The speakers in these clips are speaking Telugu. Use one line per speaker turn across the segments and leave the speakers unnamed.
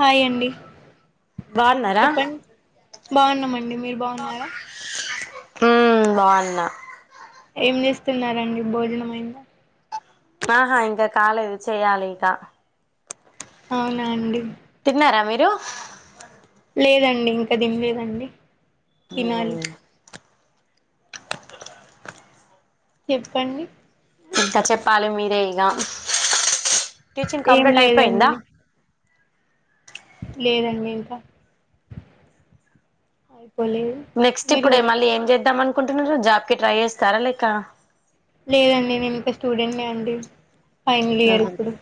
హాయ్ అండి
బాగున్నారా
చెప్పండి బాగున్నామండి మీరు బాగున్నారా
ఉం బాగున్నా
ఏం చేస్తున్నారండి భోజనమైంద
ఆహా ఇంకా కాలేదు చేయాలి ఇకా
అవునాండి
తిన్నారా మీరు
లేదండి ఇంకా దింలేదండి
ఉమ్
చెప్పండి
ఇంకా చెప్పాలి మీరే ఇగ టీచింగ్
ఏం
కంప్లీట్ అయిపోయిందా
లేదండి లేదండి ఇంకా అయి
నెక్స్ట్ ఇప్పుడే మళ్ళీ ఏం చేద్దామ నుకుంటున్నారు జాబ్కి ట్రై చేస్తారా లేక
లేదండి నేను ఇంకా స్టూడెంట్నే అండి ఫైనల్ ఇయర్
ఉహు
ఇప్పుడు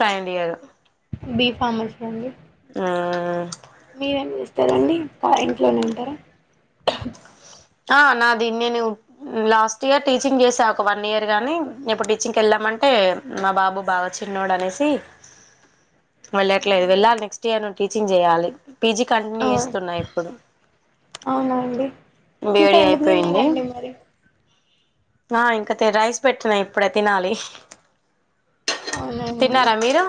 ఫైన్లీయారు
బి ఫామసీ అండి
ఆ
మీరేం చేస్తారండి థాంక్ యూ అని అంటరా
ఆ నాదీ నేను లాస్ట్ ఇయర్ టీచింగ్ చేసా ఒక వన్ ఇయర్ గాని ఇప్పుడిచింగ్ కెళ్ళామంటే మా బాబు బాగా చ్చిన్నోడు అనేసి వెళ్ళట్లేదు
అవునా
వెళ్ళాలి నెక్స్ట్ ఇయర్ నుండి టీచింగ్ చేయ్యాలి పీజీ కంటిన్యూ చేస్తున్నా ఇప్పుడు
అవునా అండి ఇంకా
బీఈడీ
ఎందుకు
అయిపోయింది
తిన్లేదండి మరి
ఆ ఇంకా తే రైస్ పెట్టినా ఇప్పుడే తినాలి
అవునండి
తిన్నారా మీరు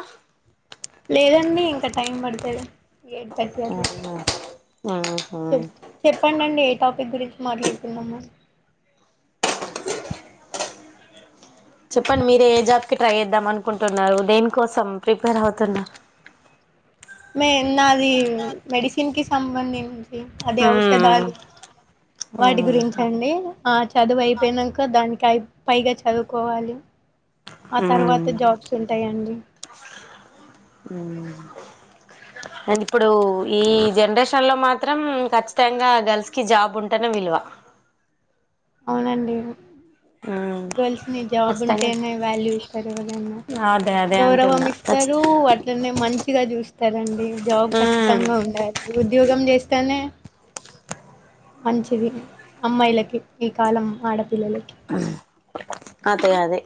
లేదండి ఇంకా టైం పడుతది ఎయిట్ థర్టీ అట్ల
ఆహా
చె చెప్పడిండి ఎ టాపిక్ గురించి మాట్లాడుకుందామా
చెప్పండి మీరే ఏ జాబ్కిి ట్రై చేద్దాం అనుకుంటున్నారు దేని కోసం ప్రిపేర్ అవుతున్నారు
మే నాది మెడిసిన్ కి సంబంధిం అదే ఔషధాలు వాటి గురించి అండి ఆ చదువు అయిపోయినంక దాని పై పైగా చదువుకోవాలి ఆ తర్వాత జాబ్స్ ఉంటాయండి
అది ఇప్పుడు ఈ జనరేషన్ లో మాత్రం ఖచ్చితంగా గర్ల్స్ కి జాబ్ ఉంటేనే విలువ
అవునండి గర్ల్స్ ని జాబ్
ఖచ్చితంగా
ఉంటేనే వాల్యూ ఇస్తారు ఎవరైనా
అదే అదే
గౌరవం
అంటున్నా ఖచ్చి
ఇస్తారు ఆట్లనే మంచిగా చూస్తారండి జాబ్
మ్మ్
ఖచ్చితంగా ఉండాలి ఉద్యోగం చేస్త తెనే మంచిది అమ్మాయిలకి ఈ కాలం ఆడపు పిల్లలకి
అదే అది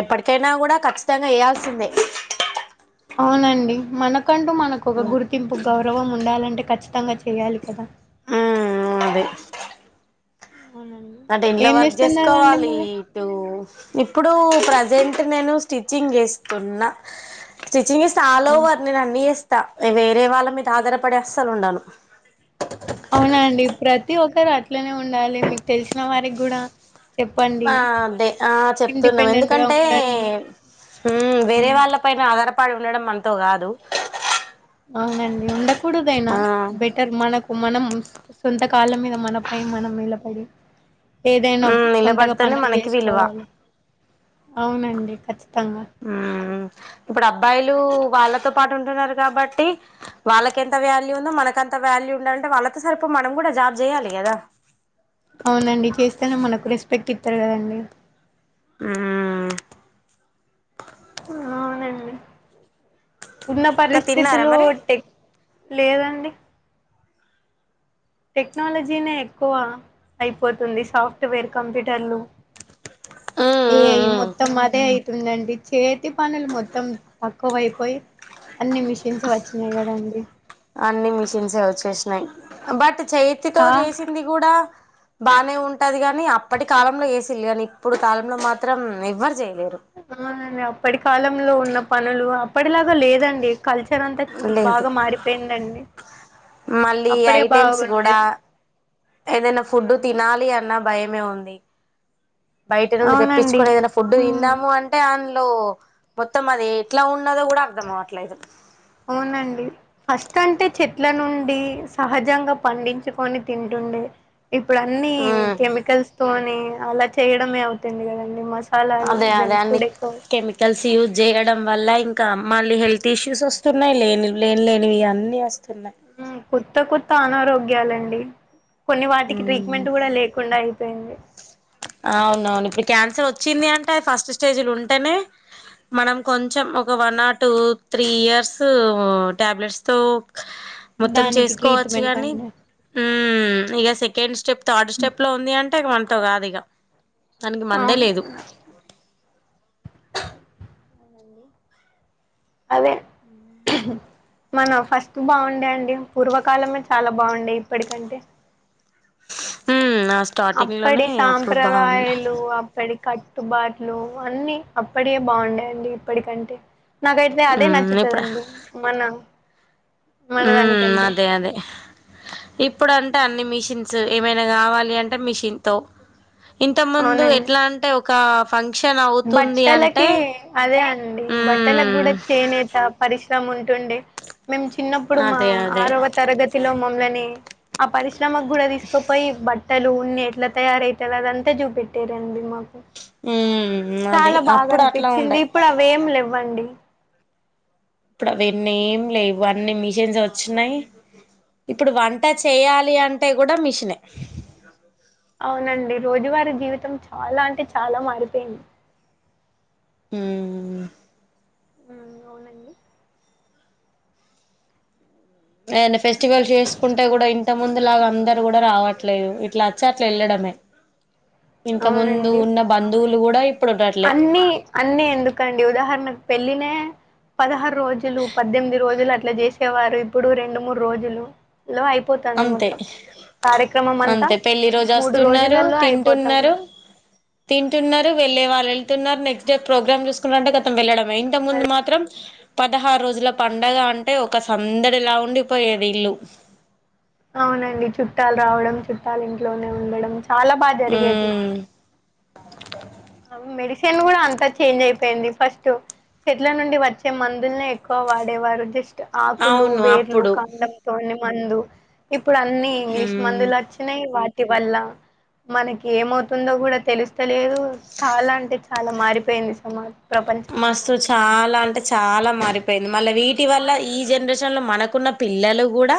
ఎప్పటికైనా కూడా కఖచ్చితంగా చేయాల్సిందే
అవునండి మనకు అంటూ మనకు ఒక గుర్తింపు గౌరవం ఉండాలంటే ఖచ్చితంగా చేయాలి కదా అవునండి
అటు ఇంట్లో
ఏం
వర్క్
చేస్తున్నారండి
చేసుకోవాలి
మరి
ఇటు ఇప్పుడు ప్ర సెంట్ నేను స్టిచింగ్ చేస్తున్నా ఆల్
ఆ!
ఓవర్ నేను అన్ని చేస్తా వేరే వాళ్ళ మీద ఆధారపడే అస్సలు ఉండను
అవునండి ప్రతి ఒక్క సారు అట్లానే ఉండాలి మీకు తెలిసిన వారికి కూడా చెప్పండి
ఆ అదే ఆ చెప్తున్నాం
ఇండిపెండెంట్ గా
ఎందుకంటే
ఉండండి
వేరే
హ్మ్.
వాళ్ళ పైన ఆధారప పడి ఉండడం మనతో కాదు
అవునండి ఉండకూడదైనా
ఆ
బెటర్ మనకు మనం సొంత కాళ్ళ మీద మనపై మనం నిలబడి ఏదైనా
మ్మ్
సొంతగా
నిలబడితేనే
పనులు
మనకి విలువ
చేసుకోవాలి అవునండి ఖచ్చితంగా
హమ్ ఇప్పుడు అబ్బాయిలు ళు వాళ్ళతో పాటు ఉంటున్నారు కాబట్టి వాళ్ళకి ఎంత వాల్యూ ఉందో మనకంత వాల్యూ ఉండాలి అంటే వాళ్ళతో సరిపోయి మనం కూడా జాబ్ చేయాలి కదా
అవునండి చేస్తేనే మనకు రెస్పెక్ట్ ఇస్తారు కదండి
హమ్
ఆ అవునండి ఉన్న
ఇంకా తిన్నారా
పరిస్థితులు
మరి
టే లేదండి టెక్నాలజీనే ఎక్కువ అయిపోతుంది సాఫ్ట్వేర్ కంప్యూటర్లు ఏ ఐ మొత్తం అదే అవుతుందండి చేతి పనులు మొత్తం తక్కువైపోయి అన్ని మిషిన్స్ వచ్చినాయి కదండి
అన్ని మిషన్స్ ఏ వచ్చేసినాయి బట్ చేతితో
చా
చేసింది కూడా బానే ఉంటాది కాని అప్పటి కాలంలో ఏ సి లేవు ఇప్పుడు కాలంలో మాత్రం ఎవ్వరు చేయ
అవున అప్పటి కాలంలో ఉన్న పనులు అప్పటిలాగా లేదండి కల్
లేదు మళ్ళీ
అప్పుడే
ఐటెమ్స్
బాగుండే
కూడా ఏదైనా ఫుడ్
అవునండి
తినాలి అన్న భయమే ఉంది [unintelligible] బయట నుండి
అవునండి
తెప్పించుకొని ఏదైనా ఫుడ్ తిందాము అంటే లో మొత్తం అది ఎట్లా ఉ
అవునండి ఫస్ట్ అంటే చె ట్ల నుండి సహజంగా పండించుకొని తింటుండే ఇప్పుడు అన్ని
ఉమ్
కెమికల్స్ పోని అలా చేయడమే అవుతుంది కదండి మస్
అదే అదే అన్ని కెమికల్స్ యూజ చేయడం వల్ల ఇంకా మళ్ళీ హెల్త్ ఇష్యూస్ వస్తున్నాయి లేని లేని లేనివి అన్నీ వ
కొత్త కొత్త అనారోగ్య గాలండి కొన్ని వాటికి ట్రీట్మెంట్ కూడా లేకుండా అయిపోయింది
వ చిింది అంటే ఫస్ట్ స్టేజ్లో ఉంటేనే మనం కొంచెం ఒక one or two three years tablets తో మొత్తం
దానికి
చేసుకోవచ్చు
ట్రీట్మెంట్
గానీ
అండి
హమ్ ఇక సెకండ్ స్టెప్ థర్డ్ స్టెప్ లో ఉంది అంటే రాదు ఇగ దానికి మందే
అవును
లేదు.
అదే మనం ఫస్ట్ బాగుండే అండి పూర్వకాలమే చాలా బాగుండే ఇప్పటికంటే
ఉమ్ ఆ స్టార్టింగ్
అప్పటి
లోనే అప్పుడు బాగుండే
సాంప్రదాయలు అప కట్టుబాట్లు అన్ని అప్పడే బాగుండేయండి ఇప్పటికంటే నాకైతే అదే
ఉమ్ ఇప్పుడ
నచ్చుతదండి మన మన
ఉమ్
దానికంటే
అదే అదే ఇప్పుడు అం అంటే అన్ని మిషన్స్ ఏమైనా కావాలి అంటే మిషన్ తో ఇంత ముందు
అవునండి
ఎట్లా అంటే ఒక ఫంక్షన్ అవుతుంది అంటే
బట్టలకి అదే అండి బట్టలకి
మ్మ్
కూడా చేనేత ప సము ఉండే మేము చిన్నప్పుడు మా
అదే అదే
ఆరవ తరగతిలో మా అపరిష్ ఈమె కి కూడా తీసుకపోయి తలు ఉన్ని ఎట్ల తయారవుతుంది అదంతా చూపెట్టారండి.
ఉమ్
చాల బాగ అనిపిచ్చింది. ఇప్పుడు అవి ఏం లేవు అండి
ఇప్పుడు అవన్నీ ఏం లేవు అన్ని మిషన్స్ వచ్చినయి ఇప్పుడు వంట చేయాలి అంటే కూడా మిషనె
అవునండి రోజువారి జీవితం చాలా అంటే చాలా మారిపోయింది.
ఉమ్.
హ్మ్ అవునండి
మైన్ ఫెస్టివల్ చేసుకుంటే కూడ ఇం ఇంత ముందు లాగ అందరు కూడా రావట్లేదు. ఇట్ల వచ్చి అట్ల వెళ్ళడమే. ఇంత ముందు ఉన్న బందువు లు కూడ
అన్నీ అన్ని ఎందుకండి ఉదాహరణకు పెళ్ళినే పదహారు రోజులు పద్దెమిది రోజులు అట్ల చేసేవారు ఇప్పుడు రెండు మూడు రోజులు లో అయిపోతాంది
అంతే
మొత్తం కార్యక్రమం అంతా
అంతే పెళ్లి రోజు
మూడు
వస్తున్నారు
రోజులల్లో అయిపోతుంది.
తింటున్నరు వెళ్లే వాళ్ళు వెళ్తున్నారు నెక్స్ట్ డే ప్రోగ్రామ్ చూసుకుంటె కతం వెళ్లడం మై ఇంత ముందు మాత్రం పదహారు రోజుల పండగ అంటే ఒక సందడిలా ఉండిపోయేది ఇల్లు
అవునండి చుట్టాల్ రావడం చుట్టాలు ఇంట్లోనే ఉండడం చాల బాగ జరిగేది
ఉమ్
మెడి సెన్ కూడ అంతాచేంజ్ అయిపోయింది ఫస్ట్ చెట్ల నుండి వచ్చే మందుల్నే ఎక్కువ వాడేవారు జస్ట్ ఆకులు
అవును
వేర్లు
అప్పుడు
కాండంతో మందు ఇప్ ఇప్పుడన్ని ఇంగ్లీష్
ఉమ్
మందులు వచ్చినయి ఇంటి వల్ల మనకి ఏమవుతుందో కూడా తెలుస్తలేదు చాల అంటే చాల మారిపోయింది సమాజం
మస్తు చాల అంటే చాల మారి అయిపోయింది మళ్ళ వీటి వల్ల ఈ జెనరేషన్ లో మనకున్న పిల్లలు కూడా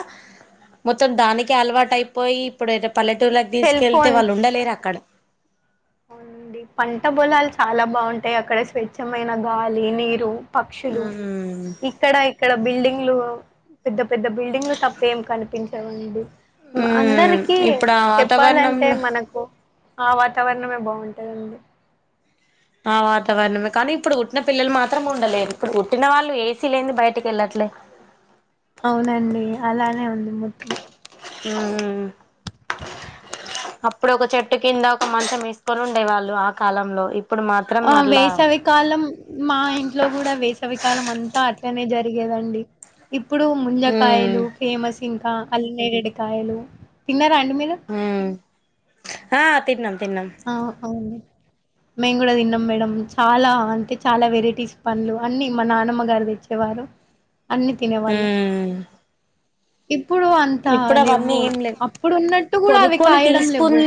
మొత్తం దాని కె అలవాటు అయిపోయి ఇప్పుడు పల్లెటూళ్రుళకి
సెల్
తీసుకెళ్తే వాళ్ళు ఉండలేరు అక్కడ
అవునండి పంట పోలాలు చాల బాగుంటాయి అక్కడ స్వచ్ఛమైన గాలి నీరు పక్షులు
ఉమ్
ఇక్కడ ఇక్కడ బిల్డింగ్ ల్లు పెద్ద పెద్ద బిల్డింగ్లు తప్ప ఏం కనిపించ సేవన్టు
ఉమ్
అందరికి
ఇప్పుడు ఆ
చెప్పాలంటే
వాతావరణంలో
మనకు ఆ వాతావరణం. బాగుంటుందండి.
ఆ వాతావరణమే కానీ ఇప్పుడు పుట్టిన పిల్లలు మాత్రం ఉండలేరు. ఇప్పుడు పుట్టిన వాళ్ళు ఏ.
అవునండి అలానే ఉంది ము. [inaudible]
హ్మ్! హు హూ! అప్పుడు ఒక చెట్టు కింద ఒక మంచం వేసుకొని ఉండే వాళ్ళు ఆ కాలంలో. ఇప్
ఆ వేసవికాలం మా ఇంట్లో కూడా వేసవికాలం అంతా అట్లనే జరిగింది. ఏదండి? ఇప్పుడు
ఉమ్
ముంజకాయలు ఫేమస్ ఈ అల్నేరెడి కాయలు తిన్నారండి?
హ్మ్! ఆ తిన్నాం. తిన్నాం
ఆ అవును. మేము కూడా తిన్నాం మేడం చాలా అంటే చాలా వెరైటీస్ పండ్లు అన్నీ, మా నానమ్మ గారు తెచ్చేవారు. అన్నీ తినేవాళ్ళు.
ఉమ్
ఇప్! అప్పుడు అంత
ఇప్పుడు అవన్నీ
లేవు,
ఏం లేవు
అప్పుడు ఉన్నట్టు కూడా అవి
కొనుక్కొని
కాయడం లేవు.
తీసుకున్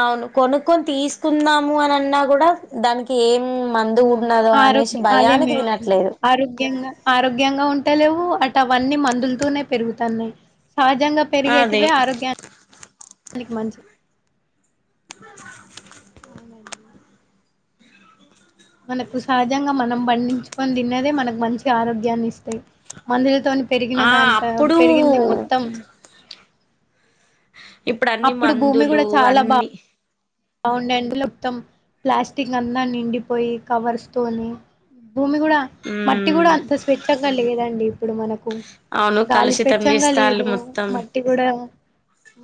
అవును కొనుక్కొని తీసుకుందాము అని అన్నా కూడా దానికి ఏం? మందు ఉన్నదో అనేసి
ఆరోగ్య అదే మే
భయానికి తినట్లేదు
ఆరోగ్యంగా ఆరోగ్యంగా ఉంటు. అట్టలేవు అటు అవన్నీ మందులు తూనే పెరుగుతాన్నాయి. సహజంగా
అదే
పెరిగేటివే ఆరోగ్యాన్ని. నీకు మంచి.
[inaudible]
[inaudible] మనకు సహజంగా మనం పండించుకొని తిన్నేదే, మనకు మంచి ఆరోగ్యాన్ని ఇస్తాయి. మందులతోని పెరిగిన
ఆ
దాని
అప్పుడు
పెరిగింది మొత్తం.
ఇప్పుడు అన్నీ మందులు అన్నీ.
నేటి లో మొత్తం ప్లాస్టిక్ అంత నిండిపోయి కవర్స్ తోని భూమి కూడా మట్టి
ఉమ్
కూడా అంత స్వేచ్ఛ కలిగేదండి. ఇప్పుడు మనకు
అవును
గాలి
కలుషితం
స్వచ్ఛంగా
చేస్తాళ్ళు
లేదు
మొత్తం
మట్టి కూడా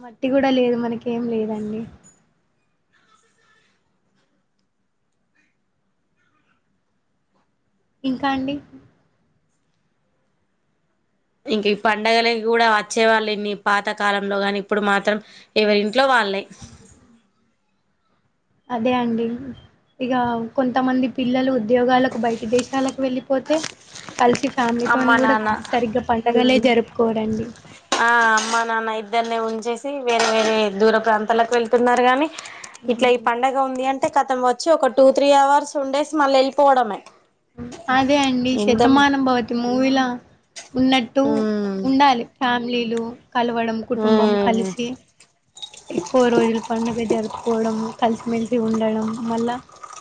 మట్టి కూడా లేదు మనక ఏం లేదండి. ఇంకా అండి?
ఇంకా ఈ పండగలకి కూడా వచ్చే వాళ్ళు ఇన్ని పాతకాలంలో గాని ఇప్పుడు మాత్రం ఎవరి ఇంట్లో వాల్లే.
అదే అండి ఇక కొంతమంది పిల్లలు ఉద్యోగాలకు బయట దేశాలకు వెళ్ళిపోతే. కలిసి
అమ్మ
ఫ్యామిలీతోని కూడా
నాన్న
సరిగ్గా పండగలే జరుపు.
ఆ అమ్మ నాన్న ఇద్దన్నే ఉంచి చ్చేసి వేరే వేరే దూర ప్రాంతాలకు వెళ్తున్నారు గాని ఇట్లా ఈ పంండగ ఉంది అంటే కతం వచ్చు ఒక టూ త్రీ అవర్స్ ఉండే స్ మల్ళ వెళ్ళిపోవడమే
అదే అండి
ఇందం
శతమానం భవతి మూవీలా ఉన్నట్టు
ఉమ్
ఉండాలి ఫ్యామిలీలు కలవడం కుటుంబం
ఉమ్
కలిసి ఎక్కువ రోజులు పండుగ జరుపుంది పోవడం కలిసిమెెలిసి ఉండడం మళ్ళా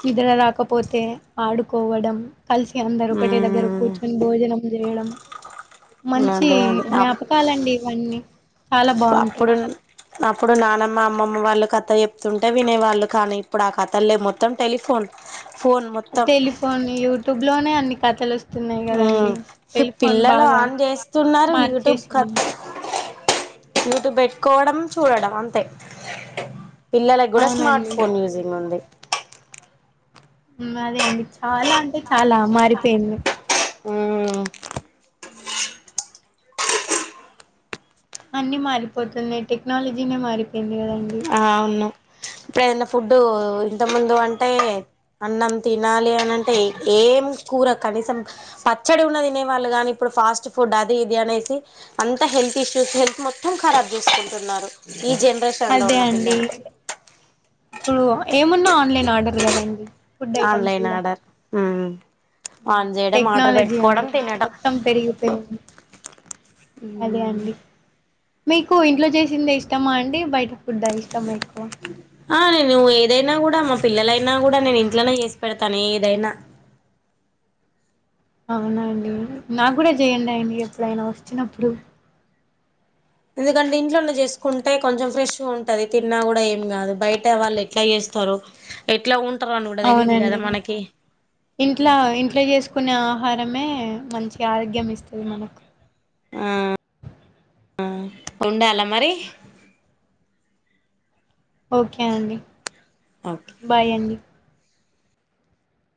నిద్ర రాకపోతే ఆడుకోవడం కలిసి అందరు ఒకట దగ్గర
ఉమ్
కూర్చు అని భోజనం చేయడం మంచి
అదే అదే అప్
జ్ఞాపకాలండి ఇవన్నీ చాలా బాగుంటాయి
అప్పుడు అప్పుడు నానమ్మ అమ్మమ్మ వాళ్ళు కథ చెప్తుంటే వినేవాళ్ళు కానీ ఇప్పుడు ఆ కథ లే మొత్తం టెలిఫోన్ ఫోన్ మొత్తం
టలిపోోన్ యూట్యూబ్ లోనే అన్ని కథలు వస్తయి
ఆ పిల్లలు
బాగా
ఆన్ చేస్తున్నారు యూట్యూబ్ క
మార్చేసింది
యూట్యూబ్ పెట్టుకోవడం చూడడం అంతే పిల్లలకి కూడా స్మార్ట్
అవునండి
ఫోన్ యూజింగ్ ఉంది
హ్మ్మ్ అదే అండి చాలా అంటే చాలా మారిపోయింది
ఉ
అన్నిీ మారిపోతున్నాయి టెక్నాలజీనే మారిపోయింది కదండి
ఆ అవును ఇప్పుడ ఏదైనా ఫుడ్డు ఇంత ఇంత ముందు అంటే అన్నం తినాలి అని అంటే ఏం కూర కనీసం పచ్చడి ఉన్న తినే వాళ్ళు కాని ఇప్పుడు ఫాస్ట్ ఫుడ్ అది ఇది అనేసి అంత హెల్త్ ఇష్యూస్ హెల్త్ మొత్తం ఖరాబ్ చూసుకుంటున్నారు ఈ జనరేషన్లో
అదే
ఉండ
అండి ఇప్పుడు ఏమున్నా ఆన్లైన్ ఆర్డర్ కదండి ఫుడ్ ఐటమ్స్
ఆన్లైన్
కూడా
ఆర్డర్ హ్మ్మ్ ఆన్ చేయడం ఆర్డర్
టెక్నాలజీ
పెట్టుకోవడం
అండి
తినడం
మొత్తం పెరిగిపోయింది అదే అండి మీకు ఇంట్లో చేసింది ఇష్టమా అండి బయట ఫుడ్ద్ద ఇష్టంమకో
ఆ నేను ఏదైనా కూడా మా పిల్లలైనా కూడా నేను ఇంట్లోనే చేసి పెడతాను ఏదైనా
అవునాండి నా కూడా చేయండి అడి ఎప్పుడైనా వచ్చినప్పుడు
ఎందుకంటే ఇంట్లోన్న చేసుకుంటే కొంచెం ఫ్రెష్ గా ఉంటది తిన్నా కూడా ఏం కాదు బయట వాళ్ళు ఎట్లా చేస్తారు ఎట్లా ఉంట
అవునండి ఇంట్లా ఇంట్లో చేసుకునే ఆహారమే మంచి ఆరోగ్యం ఇస్తుంది మనకు
ఆ ఉండాల మరి
ఓకే అండి
ఓకే
బాయ్ అండి